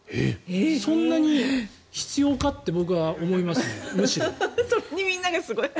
そんなに必要かって僕はむしろ思いますね。